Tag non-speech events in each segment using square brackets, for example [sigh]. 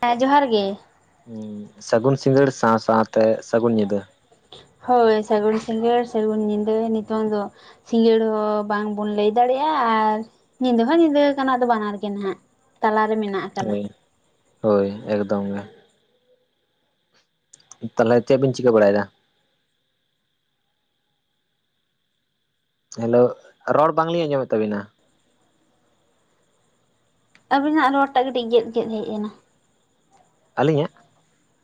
ᱦᱮᱸ ᱡᱚᱦᱟᱨ ᱜᱮ᱾ ᱦᱩᱸ ᱥᱟᱹᱜᱩᱱ ᱥᱤᱸᱜᱟᱹᱲ ᱥᱟᱶ ᱥᱟᱶᱛᱮ ᱥᱟᱹᱜᱩᱱ ᱧᱤᱫᱟᱹ᱾ ᱦᱳᱭ ᱥᱟᱹᱜᱩᱱ ᱥᱤᱸᱜᱟᱹᱲ, ᱥᱟᱹᱜᱩᱱ ᱧᱤᱫᱟᱹ ᱱᱤᱛᱚᱝ ᱫᱚ ᱥᱤᱸᱜᱟᱹᱲ ᱦᱚᱸ ᱵᱟᱝ ᱵᱚᱱ ᱞᱟᱹᱭ ᱫᱟᱲᱮᱜᱼᱟ, ᱟᱨ ᱧᱤᱫᱟᱹ ᱦᱚᱸ ᱧᱤᱫᱟᱹ ᱠᱟᱱᱟ ᱟᱫᱚ ᱵᱟᱱᱟᱨ ᱜᱮ ᱱᱟᱦᱟᱜ᱾ ᱛᱟᱞᱟᱨᱮ ᱢᱮᱱᱟᱜᱼᱟ᱾ ᱦᱳᱭ, ᱦᱳᱭ ᱮᱠᱫᱚᱢ ᱜᱮ᱾ ᱛᱟᱞᱦᱮ ᱪᱮᱜ ᱵᱤᱱ ᱪᱤᱠᱟᱹ ᱵᱟᱲᱟᱭᱫᱟ? ᱦᱮᱞᱳ, ᱨᱚᱲ ᱵᱟᱝᱞᱤᱧ ᱟᱸᱡᱚᱢᱮᱜ ᱛᱟᱵᱤᱱᱟ᱾ ᱟᱹᱵᱤᱱᱟᱜ ᱨᱚᱲ ᱴᱟᱜ ᱠᱟᱹᱴᱤᱡ ᱜᱮᱫ ᱜᱮᱫ ᱦᱮᱡ ᱮᱱᱟ᱾ ᱟᱹᱞᱤᱧᱟᱜ?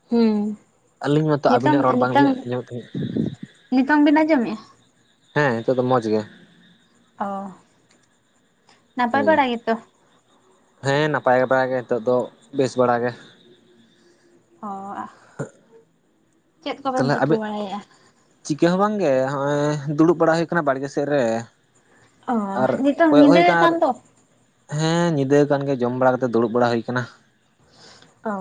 ᱦᱩᱸ᱾ ᱟᱹᱞᱤᱧ ᱢᱟᱛᱚ ᱱᱤᱛᱚᱝ ᱟᱵᱤᱱᱟᱜ ᱨᱚᱲ ᱱᱤᱛᱚᱝ ᱵᱟᱝᱞᱤᱧ ᱟᱸᱡᱚᱢᱮᱜ ᱛᱟᱦᱮᱸᱜ᱾ ᱱᱤᱛᱚᱝ ᱵᱤᱱ ᱟᱸᱡᱚᱢᱮᱜᱼᱟ? ᱦᱮᱸ, ᱱᱤᱛᱚᱜ ᱫᱚ ᱢᱚᱡᱽ ᱜᱮ। ᱚ, ᱱᱟᱯᱟᱭ ᱦᱳᱭ ᱵᱟᱲᱟ ᱜᱮᱛᱚ? ᱦᱮᱸ ᱱᱟᱯᱟᱭᱮ ᱵᱟᱲᱟ ᱜᱮ ᱱᱤᱛᱚᱜ ᱫᱚ, ᱵᱮᱥ ᱵᱟᱲᱟ ᱜᱮ᱾ ᱦᱚ [inaudible] ᱪᱮᱫ ᱠᱚᱵᱮᱱ ᱛᱟᱦᱚᱞᱮ ᱪᱤᱠᱟᱹ ᱟᱵᱤᱱ ᱵᱟᱲᱟᱭᱮᱜᱼᱟ? ᱪᱤᱠᱟᱹ ᱦᱚᱸ ᱵᱟᱝᱜᱮ, ᱦᱚᱸᱜᱼᱚᱭ ᱫᱩᱲᱩᱵ ᱵᱟᱲᱟ ᱦᱩᱭᱩᱜ ᱠᱟᱱᱟ ᱵᱟᱲᱜᱮ ᱥᱮᱜ ᱨᱮ᱾ ᱚ ᱟᱨ ᱧᱤᱛᱚᱝ ᱠᱚᱭᱚᱜ ᱦᱩᱭ ᱧᱤᱫᱟᱹ ᱟᱠᱟᱱᱟ ᱟᱨ ᱟᱠᱟᱱ ᱫᱚ᱾ ᱦᱮᱸ ᱧᱤᱫᱟᱹ ᱠᱟᱱᱜᱮ, ᱡᱚᱢ ᱵᱟᱲᱟ ᱠᱟᱛᱮ ᱫᱩᱲᱩᱵ ᱵᱟᱲᱟ ᱦᱩᱭ ᱠᱟᱱᱟ। ᱚᱻ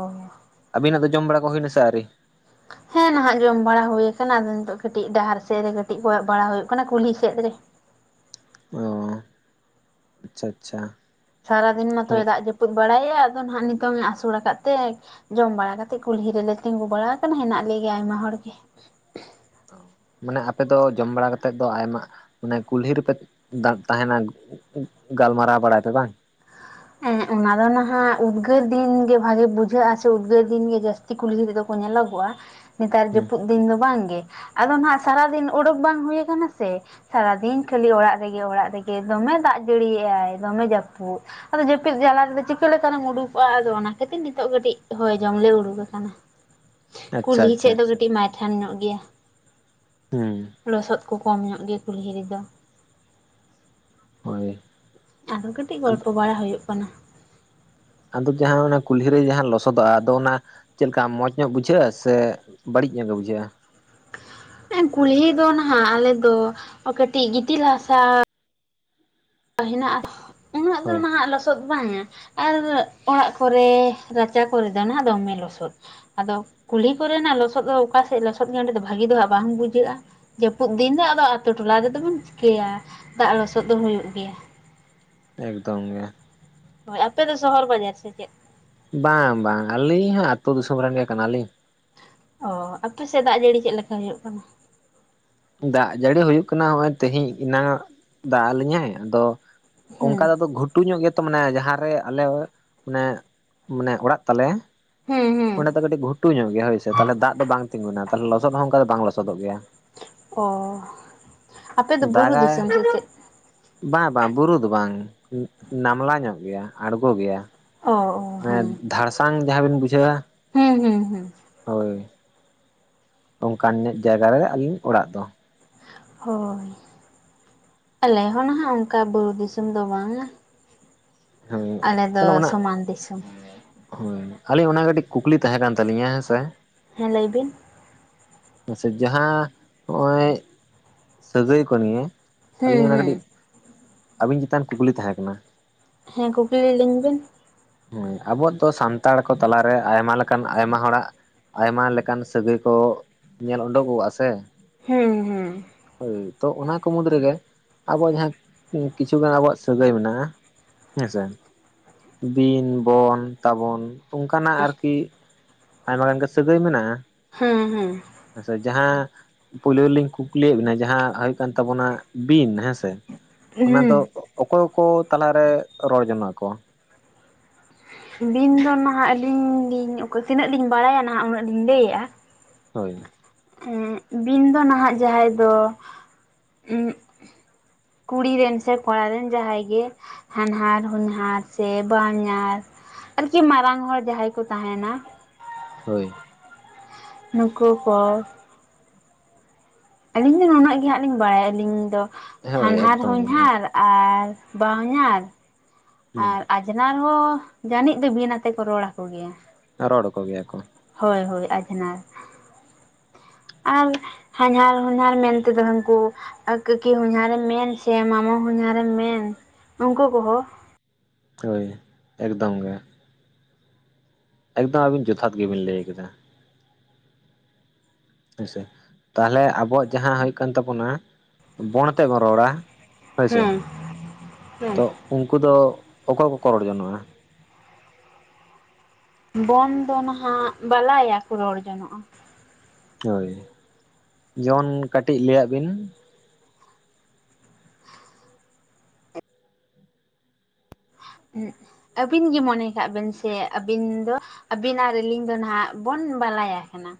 ᱟᱹᱵᱤᱱᱟᱜ ᱫᱚ ᱡᱚᱢ ᱵᱟᱲᱟ ᱠᱚ ᱦᱩᱭᱱᱟ ᱥᱮ ᱟᱹᱨᱤ? ᱦᱮᱸ ᱱᱟᱦᱟᱜ ᱡᱚᱢ ᱵᱟᱲᱟ ᱦᱩᱭ ᱟᱠᱟᱱᱟ, ᱟᱫᱚ ᱱᱤᱛᱚᱜ ᱠᱟᱹᱴᱤᱡ ᱰᱟᱦᱟᱨ ᱥᱮᱫ ᱨᱮ ᱠᱟᱹᱴᱤᱡ ᱠᱚᱭᱚᱜ ᱵᱟᱲᱟᱳ ᱠᱟᱱᱟ, ᱠᱩᱞᱦᱤ ᱥᱮᱫ ᱨᱮ। ᱚᱻ ᱟᱪᱪᱷᱟ ᱟᱪᱪᱷᱟ। ᱥᱟᱨᱟ ᱫᱤᱱ ᱦᱳᱭ ᱢᱟᱛᱚᱭ ᱫᱟᱜ ᱡᱟᱹᱯᱩᱫ ᱵᱟᱲᱟᱭᱼᱟ। ᱟᱫᱚ ᱱᱦᱟᱜ ᱱᱤᱛᱚᱝᱮ ᱟᱹᱥᱩᱲ ᱟᱠᱟᱫ ᱛᱮ ᱼᱼ ᱡᱚᱢ ᱵᱟᱲᱟ ᱠᱟᱛᱮᱫ ᱠᱩᱞᱦᱤ ᱨᱮᱞᱮ ᱛᱤᱸᱜᱩ ᱵᱟᱲᱟ ᱟᱠᱟᱱᱟ, ᱦᱮᱱᱟᱜ ᱞᱮᱜᱭᱟ ᱟᱭᱢᱟ ᱦᱚᱲ ᱜᱮ। ᱢᱟᱱᱮ ᱟᱯᱮ ᱫᱚ ᱡᱚᱢ ᱵᱟᱲᱟ ᱠᱟᱛᱮᱫ ᱫᱚ, ᱟᱭᱢᱟ ᱢᱟᱱᱮ ᱠᱩᱞᱦᱤ ᱨᱮᱯᱮ ᱫᱟ? [unintelligible] ᱛᱟᱦᱮᱱᱟ ᱜᱟᱞᱢᱟᱨᱟᱣ ᱵᱟᱲᱟᱭ ᱯᱮ ᱵᱟᱝ? ᱦᱮᱸ ᱚᱱᱟ ᱫᱚ ᱱᱟᱦᱟᱸᱜ ᱩᱫᱽᱜᱟᱹᱨ ᱫᱤᱱ ᱜᱮ ᱵᱷᱟᱜᱮ ᱵᱩᱡᱷᱟᱹᱜᱼᱟ ᱥᱮ ᱩᱫᱽᱜᱟᱹᱨ ᱫᱤᱱ ᱜᱮ ᱡᱟᱹᱥᱛᱤᱼᱼ ᱪᱮ ᱠᱩᱞᱦᱤ ᱛᱮ ᱫᱚ ᱠᱚ ᱧᱮᱞᱚᱜᱚᱜᱼᱟ ᱱᱮᱛᱟᱨ ᱦᱩᱸ ᱡᱟᱹᱯᱩᱫ ᱫᱤᱱ ᱫᱚ ᱵᱟᱝ ᱜᱮ᱾ ᱟᱫᱚ ᱱᱟᱦᱟᱸᱜ ᱥᱟᱨᱟᱫᱤᱱ ᱩᱰᱳᱠ ᱵᱟᱝ ᱦᱩᱭᱩᱜ ᱠᱟᱱᱟ ᱥᱮ ᱥᱟᱨᱟ ᱫᱤᱱ ᱠᱷᱟᱹᱞᱤ ᱚᱲᱟᱜ ᱨᱮᱜᱮ ᱚᱲᱟᱜ ᱨᱮᱜᱮ ᱫᱚᱢᱮ ᱫᱟᱜ ᱡᱟᱹᱲᱤᱭᱮᱫᱼᱟᱭ ᱫᱚᱢᱮ ᱡᱟᱹᱯᱩᱫ᱾ ᱟᱫᱚ ᱡᱟᱹᱯᱤᱫ ᱡᱟᱞᱟ ᱨᱮᱫᱚ ᱪᱤᱠᱟᱹ ᱞᱮ ᱛᱟᱦᱞᱮᱢ ᱩᱰᱩᱠᱚᱜᱼᱟ ᱟᱫᱚ ᱚᱱᱟ ᱠᱷᱟᱹᱛᱤᱨ ᱱᱤᱛᱚᱜ ᱠᱟᱹᱴᱤᱡ ᱦᱚᱭ ᱡᱚᱢ ᱞᱮ ᱩᱰᱩᱠ ᱟᱠᱟᱱᱟ᱾ ᱟᱪᱪᱷᱟ ᱠᱩᱞᱦᱤ ᱟᱪᱪᱷᱟ ᱥᱮᱫ ᱫᱚ ᱟᱪᱪᱷᱟ ᱠᱟᱹᱴᱤᱡ ᱢᱟᱭᱛᱷᱟᱱ ᱧᱚᱜ ᱜᱮᱭᱟ᱾ ᱦᱮᱸᱻ ᱞᱚᱥᱚᱫ ᱠᱚ ᱠᱚᱢ ᱧᱚᱜ ᱜᱮᱭᱟ ᱠᱩᱞᱦᱤ ᱨᱮᱫᱚ᱾ ᱦᱳᱭ ᱟᱫᱚ ᱠᱟᱹᱴᱤᱡ ᱜᱚᱞᱯᱚ ᱵᱟᱲᱟ ᱦᱩᱭᱩᱜ ᱠᱟᱱᱟ᱾ ᱟᱫᱚ ᱡᱟᱦᱟᱸ ᱠᱩᱞᱦᱤ ᱨᱮ ᱡᱟᱦᱟᱸ ᱞᱚᱥᱚᱫᱚᱜᱼᱟ ᱟᱫᱚ ᱚᱱᱟ᱾ ᱪᱮᱫ ᱞᱮᱠᱟ ᱢᱚᱸᱡᱽ ᱧᱚᱜ ᱵᱩᱡᱷᱟᱹᱜᱼᱟ ᱥᱮ ᱵᱟᱹᱲᱤᱡ ᱧᱚᱜ ᱜᱮ ᱵᱩᱡᱷᱟᱹᱜᱼᱟ? ᱠᱩᱞᱦᱤ ᱫᱚ ᱱᱟᱦᱟᱸᱜ ᱟᱞᱮ ᱫᱚ ᱠᱟᱹᱴᱤᱡ ᱜᱤᱛᱤᱞ ᱦᱟᱥᱟ᱾ ᱦᱮᱱᱟᱜᱼᱟ ᱩᱱᱟᱹᱜ ᱫᱚ ᱦᱳᱭ ᱱᱟᱦᱟᱸᱜ ᱞᱚᱥᱚᱫᱼᱼ ᱞᱚᱥᱚᱫ ᱵᱟᱝᱟ ᱟᱨ ᱚᱲᱟᱜ ᱠᱚᱨᱮ ᱨᱟᱪᱟ ᱠᱚᱨᱮ ᱫᱚ ᱱᱟᱦᱟᱸᱜ ᱫᱚᱢᱮ ᱞᱚᱥᱚᱫ ᱟᱫᱚ ᱠᱩᱞᱦᱤ ᱠᱚᱨᱮᱱᱟᱜ ᱞᱚᱥᱚᱫ ᱫᱚ ᱚᱠᱟᱥᱮᱫ ᱞᱚᱥᱚᱫ ᱜᱮᱭᱟ ᱚᱸᱰᱮ ᱫᱚ ᱵᱷᱟᱜᱤ ᱫᱚ ᱦᱟᱸᱜ ᱵᱟᱝ ᱵᱩᱡᱷᱟᱹᱜᱼᱟ᱾ ᱡᱟᱹᱯᱩᱫ ᱫᱤᱱ ᱫᱚ ᱟᱫᱚ ᱟᱛᱳ ᱴᱚᱞᱟ ᱨᱮᱫᱚ ᱵᱚᱱ ᱪᱤᱠᱟᱹᱭᱟ ᱫᱟᱜ ᱞᱚᱥᱚᱫ ᱫᱚ ᱦᱩᱭᱩᱜ ᱜᱮᱭᱟ᱾ ᱮᱠᱫᱚᱢ ᱜᱮ ᱦᱳᱭ ᱟᱯᱮ ᱫᱚ ᱥᱚᱦᱚᱨ ᱵᱟᱡᱟᱨ ᱥᱮ ᱪᱮᱫ? ᱵᱟᱝ ᱵᱟᱝ ᱟᱹᱞᱤᱧ ᱦᱟᱸᱜ ᱟᱛᱳ ᱫᱤᱥᱚᱢ ᱨᱮᱱ ᱜᱮ ᱠᱟᱱᱟ ᱞᱤᱧ᱾ ᱚ ᱟᱯᱮ ᱥᱮᱫ ᱫᱟᱜ ᱡᱟᱹᱲᱤ ᱪᱮᱫ ᱞᱮᱠᱟ ᱦᱩᱭᱩᱜ ᱠᱟᱱᱟ? ᱫᱟᱜ ᱡᱟᱹᱲᱤ ᱦᱩᱭᱩᱜ ᱠᱟᱱᱟ ᱱᱚᱜᱼᱚᱭ ᱛᱤᱦᱤᱧ ᱮᱱᱟᱱᱚᱜ ᱫᱟᱜ ᱟᱞᱤᱧᱟᱭ ᱟᱫᱚᱼᱼ ᱦᱩᱸ ᱚᱱᱠᱟ ᱫᱚ ᱟᱫᱚ ᱜᱷᱩᱴᱩ ᱧᱚᱜ ᱜᱮᱛᱚ ᱢᱟᱱᱮ ᱡᱟᱦᱟᱸᱨᱮ ᱟᱞᱮ ᱢᱟᱱᱮ ᱢᱟᱱᱮ ᱚᱲᱟᱜ ᱛᱟᱞᱮ᱾ ᱦᱩᱸ ᱦᱩᱸ ᱚᱸᱰᱮ ᱫᱚ ᱠᱟᱹᱴᱤᱡ ᱜᱷᱩᱴᱩ ᱧᱚᱜ ᱜᱮᱭᱟ ᱦᱳᱭ ᱥᱮ ᱛᱟᱦᱚᱞᱮ ᱫᱟᱜ ᱫᱚ ᱵᱟᱝ ᱛᱤᱸᱜᱩᱱᱟ ᱛᱟᱦᱚᱞᱮ ᱞᱚᱥᱚᱫ ᱦᱚᱸ ᱚᱱᱠᱟ ᱫᱚ ᱵᱟᱝ ᱞᱚᱥᱚᱫᱚᱜ ᱜᱮᱭᱟ᱾ ᱚ ᱟᱯᱮ ᱫᱚ ᱵᱩᱨᱩ ᱫᱟᱜᱟᱭ ᱫᱤᱥᱚᱢ ᱥᱮ ᱪᱮᱫ? ᱵᱟᱝ ᱵᱟᱝ ᱵᱩᱨᱩ ᱫᱚ ᱵᱟᱝ ᱱᱟᱢᱞᱟ ᱧᱚᱜ ᱜᱮᱭᱟ ᱟᱬᱜᱚ ᱜᱮᱭᱟ᱾ ᱚᱻ ᱢᱟᱱᱮ ᱫᱷᱟᱲᱥᱟᱝ ᱡᱟᱦᱟᱸ ᱵᱤᱱ ᱵᱩᱡᱷᱟᱹᱣᱟ᱾ ᱦᱮᱸ ᱦᱩᱸ ᱦᱩᱸ ᱦᱳᱭ ᱚᱱᱠᱟᱱ ᱧᱚᱜ ᱡᱟᱭᱜᱟ ᱨᱮ ᱟᱹᱞᱤᱧ ᱚᱲᱟᱜ ᱫᱚ᱾ ᱦᱳᱭ ᱟᱞᱮ ᱦᱚᱸ ᱱᱟᱦᱟᱸᱜ ᱚᱱᱠᱟ ᱵᱩᱨᱩ ᱫᱤᱥᱚᱢ ᱫᱚ ᱵᱟᱝᱟ᱾ ᱦᱳᱭ ᱟᱞᱮ ᱫᱚ ᱛᱟᱦᱚᱞᱮ ᱚᱱᱟ ᱥᱚᱢᱟᱱ ᱫᱤᱥᱚᱢ᱾ ᱦᱳᱭ ᱟᱹᱞᱤᱧ ᱚᱱᱟ ᱠᱟᱹᱴᱤᱡ ᱠᱩᱠᱞᱤ ᱛᱟᱦᱮᱸ ᱠᱟᱱ ᱛᱟᱹᱞᱤᱧᱟ ᱦᱮᱸᱥᱮ᱾ ᱦᱮᱸ ᱞᱟᱹᱭ ᱵᱤᱱ? ᱢᱟᱥᱮ ᱡᱟᱦᱟᱸ ᱦᱚᱜᱼᱚᱭᱼᱼ ᱥᱟᱹᱜᱟᱹᱭ ᱠᱚ ᱱᱤᱭᱮ ᱦᱩᱸ ᱟᱞᱤᱧᱟᱜ ᱚᱱᱟ ᱦᱩᱸ ᱠᱟᱹᱴᱤᱡ ᱟᱵᱤᱱ ᱪᱮᱛᱟᱱ ᱠᱩᱠᱞᱤ ᱛᱟᱦᱮᱸ ᱠᱟᱱᱟ ᱾ ᱦᱮᱸ ᱠᱩᱠᱞᱤ ᱞᱤᱧ ᱵᱮᱱ ᱦᱮᱸ ᱟᱵᱚ ᱫᱚ ᱥᱟᱱᱛᱟᱲ ᱠᱚ ᱛᱟᱞᱟᱨᱮ ᱟᱭᱢᱟ ᱞᱮᱠᱟᱱ ᱟᱭᱢᱟ ᱦᱚᱲᱟᱜ ᱟᱭᱢᱟ ᱞᱮᱠᱟᱱ ᱥᱟᱹᱜᱟᱹᱭ ᱠᱚ ᱧᱮᱞ ᱩᱰᱩᱠᱚᱜᱼᱟ ᱥᱮ ᱦᱮᱸ ᱦᱮᱸ ᱦᱳᱭ ᱛᱚ ᱚᱱᱟ ᱠᱚ ᱢᱩᱫᱽ ᱨᱮᱜᱮ ᱟᱵᱚᱣᱟᱜ ᱡᱟᱦᱟᱸ ᱠᱤᱪᱷᱩᱜᱟᱱ ᱟᱵᱚᱣᱟᱜ ᱥᱟᱹᱜᱟᱹᱭ ᱢᱮᱱᱟᱜᱼᱟ ᱦᱮᱸᱥᱮ ᱵᱤᱱ ᱵᱚᱱ ᱛᱟᱵᱚᱱ ᱚᱱᱠᱟᱱᱟᱜ ᱟᱨᱠᱤ ᱟᱭᱢᱟ ᱜᱟᱱ ᱜᱮ ᱥᱟᱹᱜᱟᱹᱭ ᱢᱮᱱᱟᱜᱼᱟ ᱾ ᱦᱮᱸ ᱦᱮᱸ ᱟᱪᱪᱷᱟ ᱡᱟᱦᱟᱸ ᱯᱳᱭᱞᱳ ᱨᱮᱞᱤᱧ ᱠᱩᱠᱞᱤᱭᱮᱫ ᱵᱮᱱᱟ ᱡᱟᱦᱟᱸ ᱦᱩᱭᱩᱜ ᱠᱟᱱ ᱛᱟᱵᱚᱱᱟ ᱵᱤᱱ ᱦᱮᱸᱥᱮ ᱚᱱᱟ ᱦᱩᱸ ᱫᱚ ᱚᱠᱚᱭ ᱠᱚ ᱛᱟᱞᱟᱨᱮ ᱨᱚᱲ ᱡᱚᱱᱟᱜ ᱟᱠᱚ? ᱵᱤᱱ ᱫᱚ ᱱᱟᱦᱟᱸᱜ ᱟᱹᱞᱤᱧ ᱞᱤᱧ ᱛᱤᱱᱟᱹᱜ ᱞᱤᱧ ᱵᱟᱲᱟᱭᱟ ᱱᱟᱦᱟᱸᱜ ᱩᱱᱟᱹᱜ ᱞᱤᱧ ᱞᱟᱹᱭᱮᱫᱼᱟ ᱾ ᱦᱳᱭ ᱵᱤᱱ ᱫᱚ ᱱᱟᱦᱟᱜ ᱡᱟᱦᱟᱸᱭ ᱫᱚ ᱠᱩᱲᱤ ᱨᱮᱱ ᱥᱮ ᱠᱚᱲᱟ ᱨᱮᱱ ᱡᱟᱦᱟᱸᱭ ᱜᱮ ᱦᱟᱱᱦᱟᱨ ᱦᱚᱧᱦᱟᱨ ᱥᱮ ᱵᱟᱦᱚᱧᱟᱨ ᱟᱨᱠᱤ ᱢᱟᱨᱟᱝ ᱦᱚᱲ ᱡᱟᱦᱟᱸᱭ ᱠᱚ ᱛᱟᱦᱮᱱᱟ ᱦᱳᱭ ᱱᱩᱠᱩ ᱠᱚ ᱟᱹᱞᱤᱧ ᱫᱚ ᱱᱩᱱᱟᱹᱜ ᱜᱮᱦᱟᱸᱜ ᱞᱤᱧ ᱵᱟᱲᱟᱭᱟ ᱟᱹᱞᱤᱧ ᱫᱚ ᱦᱳᱭ ᱦᱟᱱᱦᱟᱨ ᱮᱠᱫᱚᱢ ᱜᱮ ᱦᱚᱧᱦᱟᱨ ᱟᱨ ᱵᱟᱦᱚᱧᱟᱨ ᱦᱩᱸ ᱟᱨ ᱟᱡ ᱟᱡᱷᱱᱟᱨ ᱦᱚᱸ ᱡᱟᱱᱤᱡ ᱫᱚ ᱵᱤᱱ ᱟᱛᱮ ᱠᱚ ᱨᱚᱲ ᱟᱠᱚ ᱜᱮᱭᱟ᱾ ᱨᱚᱲ ᱟᱠᱚ ᱜᱮᱭᱟ ᱠᱚ ᱦᱳᱭ ᱦᱳᱭ ᱟᱡᱷᱱᱟᱨ ᱟᱨ ᱦᱟᱧᱦᱟᱨ ᱦᱚᱧᱦᱟᱨ ᱢᱮᱱᱛᱮ ᱫᱚ ᱦᱟᱱᱠᱩ ᱟᱨ ᱠᱟᱹᱠᱤ ᱦᱚᱧᱦᱟᱨᱮᱢ ᱢᱮᱱ ᱥᱮ ᱢᱟᱢᱟ ᱦᱚᱧᱦᱟᱨᱮᱢ ᱢᱮᱱ ᱩᱱᱩᱠᱩ ᱠᱚᱦᱚᱸ ᱦᱳᱭ ᱮᱠᱫᱚᱢ ᱜᱮ ᱮᱠᱫᱚᱢ ᱟᱵᱤᱱ ᱡᱚᱛᱷᱟᱛ ᱜᱮᱵᱤᱱ ᱞᱟᱹᱭ ᱠᱟᱫᱟ ᱦᱮᱸᱥᱮ ᱛᱟᱦᱚᱞᱮ ᱟᱵᱚᱣᱟᱜ ᱡᱟᱦᱟᱸ ᱦᱩᱭᱩᱜ ᱠᱟᱱ ᱛᱟᱵᱚᱱᱟ ᱵᱚᱱ ᱟᱛᱮ ᱵᱚᱱ ᱨᱚᱲᱟ ᱦᱳᱭ ᱥᱮ ᱦᱮᱸ ᱦᱮᱸ ᱛᱚ ᱩᱱᱠᱩ ᱫᱚ ᱚᱠᱚᱭ ᱠᱚᱠᱚ ᱨᱚᱲ ᱡᱚᱱᱚᱜᱼᱟ ᱵᱚᱱ ᱫᱚ ᱱᱟᱦᱟᱜ ᱵᱟᱞᱟᱭᱟᱠᱚ ᱨᱚᱲ ᱡᱚᱱᱚᱜᱼᱟ᱾ ᱦᱳᱭ ᱡᱮᱢᱚᱱ ᱠᱟᱴᱤᱡ ᱞᱟᱹᱭᱟᱜ ᱵᱤᱱ ᱟᱵᱤᱱ ᱜᱮ ᱢᱚᱱᱮ ᱠᱟᱜ ᱵᱮᱱ ᱥᱮ ᱟᱵᱤᱱ ᱫᱚ ᱟᱵᱤᱱᱟᱜ ᱨᱤᱞᱤᱝ ᱫᱚ ᱱᱟᱦᱟᱜ ᱵᱚᱱ ᱵᱟᱞᱟᱭᱟ ᱠᱟᱱᱟ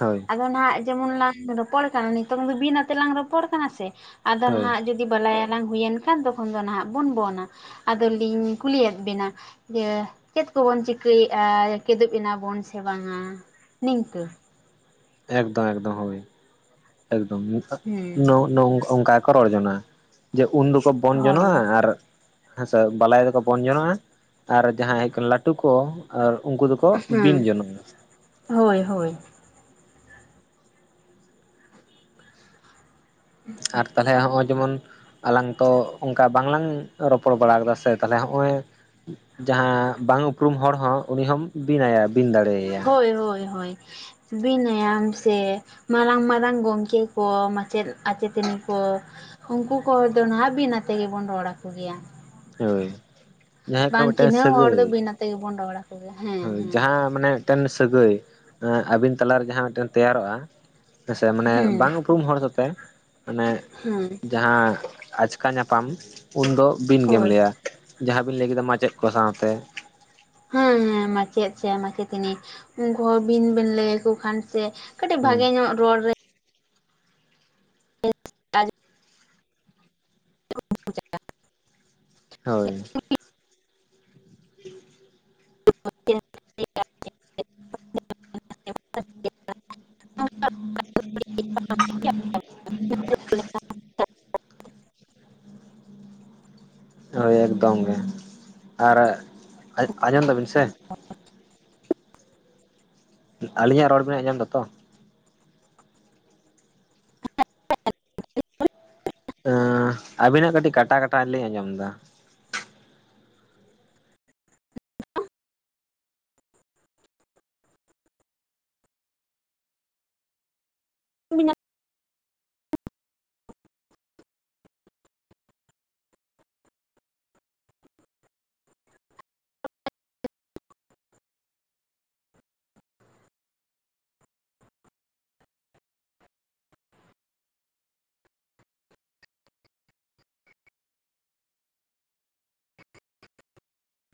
ᱦᱳᱭ ᱟᱫᱚ ᱱᱟᱦᱟᱜ ᱡᱮᱢᱚᱱ ᱞᱟᱝ ᱨᱚᱯᱚᱲ ᱠᱟᱱᱟ ᱱᱤᱛᱚᱝ ᱫᱚ ᱵᱤᱱ ᱟᱛᱮ ᱞᱟᱝ ᱨᱚᱯᱚᱲ ᱠᱟᱱᱟ ᱥᱮ ᱟᱫᱚ ᱦᱳᱭ ᱱᱟᱦᱟᱜ ᱡᱩ ᱫᱤ ᱵᱟᱞᱟᱭᱟᱞᱟᱝ ᱦᱩᱭᱮᱱ ᱠᱷᱟᱱ ᱛᱚᱠᱷᱚᱱ ᱫᱚ ᱱᱟᱦᱟᱜ ᱵᱚᱱ ᱵᱚᱱᱟ ᱟᱫ ᱞᱤᱧ ᱠᱩᱞᱤᱭᱮᱫ ᱵᱤᱱᱟ ᱡᱮ ᱪᱮᱫ ᱠᱚᱵᱚᱱ ᱪᱤᱠᱟᱹᱭᱮᱫᱼᱟ ᱠᱮᱫᱩᱵ ᱮᱱᱟᱵᱚᱱ ᱥᱮ ᱵᱟᱝᱟ ᱱᱤᱝᱠᱟᱹ᱾ ᱮᱠᱫᱚᱢ ᱮᱠᱫᱚᱢ ᱦᱳᱭ ᱮᱠᱫᱚᱢ ᱦᱮᱸ ᱱᱚᱝᱠᱟ [unintelligible] ᱠᱚ ᱨᱚᱲ ᱡᱚᱱᱟᱜ-ᱟ ᱡᱮ ᱩᱱ ᱫᱚᱠᱚ ᱵᱚᱱ ᱦᱳᱭ ᱡᱚᱱᱚᱜᱼᱟ ᱟᱨ ᱦᱮᱸᱥᱮ ᱵᱟᱞᱟᱭ ᱫᱚᱠᱚ ᱵᱚᱱ ᱡᱚᱱᱚᱜᱼᱟ ᱟᱨ ᱡᱟᱦᱟᱸᱭ ᱠᱚ ᱞᱟᱴᱩ ᱠᱚ ᱟᱨ ᱩᱱᱠᱩ ᱫᱚᱠᱚ ᱵᱤᱱ ᱦᱮᱸ ᱡᱚᱱᱚᱜ-ᱟ ᱦᱳᱭ ᱦᱳᱭ, ᱟᱨ ᱛᱟᱦᱚᱞᱮ ᱦᱚᱸᱜᱼᱚᱭ ᱡᱮᱢᱚᱱ ᱟᱞᱟᱝ ᱛᱚ ᱚᱱᱠᱟ ᱵᱟᱝ ᱞᱟᱝ ᱨᱚᱯᱚᱲ ᱵᱟᱲᱟ ᱠᱟᱫᱟ ᱥᱮ ᱛᱟᱦᱚᱞᱮ ᱦᱚᱜ-ᱚᱭ ᱡᱟᱦᱟᱸ ᱵᱟᱝ ᱩᱯᱨᱩᱢ ᱦᱚᱲ ᱦᱚᱸ ᱩᱱᱤ ᱦᱚᱢ ᱵᱤᱱ ᱟᱭᱟ ᱵᱤᱱ ᱫᱟᱲᱮᱭᱟ᱾ ᱦᱳᱭ, ᱦᱳᱭ, ᱦᱳᱭ᱾ ᱵᱤᱱ ᱟᱭᱟᱢ ᱥᱮ ᱢᱟᱨᱟᱝ ᱢᱟᱨᱟᱝ ᱜᱚᱝᱠᱮ ᱠᱚ ᱢᱟᱪᱮᱫ ᱟᱪᱮᱛᱟᱹᱱᱤ ᱠᱚ ᱩᱱᱠᱩ ᱠᱚ ᱫᱚ ᱱᱟᱦᱟᱜ ᱵᱤᱱ ᱟᱛᱮ ᱜᱮᱵᱚᱱ ᱨᱚᱲ ᱟᱠᱚ ᱜᱮᱭᱟ᱾ ᱦᱳᱭ᱾ ᱡᱟᱦᱟᱸ ᱠᱟᱱᱟ ᱵᱟᱝ ᱢᱤᱫᱴᱮᱱ ᱪᱤᱱᱦᱟᱹᱣ ᱦᱚᱲ ᱫᱚ ᱥᱟᱹᱜᱟᱹᱭ ᱵᱤᱱᱟᱹ ᱟᱛᱮ ᱜᱮᱵᱚᱱ ᱨᱚᱲᱟ᱾ ᱦᱳᱭ ᱡᱟᱦᱟᱸ ᱢᱟᱱᱮ ᱢᱤᱫᱴᱮᱱ ᱥᱟᱹᱜᱟᱹᱭ ᱟᱵᱤᱱ ᱛᱟᱞᱟᱨᱮ ᱡᱟᱦᱟᱸ ᱢᱤᱫᱴᱮᱱ ᱛᱮᱭᱟᱨᱚᱜᱼᱟ ᱥᱮ ᱢᱟᱱᱮ ᱦᱮᱸ ᱵᱟᱝ ᱩᱯᱨᱩᱢ ᱦᱚᱲ ᱥᱟᱛᱮᱜ ᱢᱟᱱᱮ [unintelligible] ᱡᱟᱦᱟᱸ ᱟᱪᱠᱟ ᱧᱟᱯᱟᱢ ᱩᱱᱫᱚ ᱵᱤᱱ ᱜᱮᱢ ᱦᱳᱭ ᱞᱟᱹᱭᱟ᱾ ᱡᱟᱦᱟᱸ ᱵᱤᱱ ᱞᱟᱹᱭ ᱠᱮᱫᱟ ᱢᱟᱪᱮᱫ ᱠᱚ ᱥᱟᱶ ᱛᱮ᱾ ᱦᱮᱸ, ᱦᱮᱸ ᱢᱟᱪᱮᱫ ᱥᱮ ᱢᱟᱪᱮᱛᱟᱹᱱᱤ ᱩᱱᱠᱩ ᱦᱚᱸ ᱵᱤᱱ ᱵᱮᱱ ᱞᱟᱹᱭ ᱟᱠᱚ ᱠᱷᱟᱱ ᱥᱮ ᱠᱟᱹᱴᱤᱡ ᱵᱷᱟᱜᱮ ᱦᱩᱸ ᱧᱚᱜ ᱨᱚᱲ ᱨᱮ ᱟᱡ [inaudible] ᱦᱳᱭ᱾ [inaudible] [inaudible] [inaudible] [inaudible] ᱦᱳᱭ ᱮᱠᱫᱚᱢ ᱜᱮ, ᱟᱨ ᱟᱸᱡᱚᱢ ᱫᱟᱵᱤᱱ ᱥᱮ᱾ ᱟᱹᱞᱤᱧᱟᱜ ᱨᱚᱲ ᱵᱤᱱ ᱟᱡᱚᱢ ᱫᱟᱛᱚ? ᱟᱵᱤ ᱱᱟᱜ ᱠᱟᱹᱴᱤᱡ ᱠᱟᱴᱟ ᱠᱟᱴᱟ ᱞᱤᱧ ᱟᱸᱡᱚᱢ ᱫᱟ᱾ [unintelligible]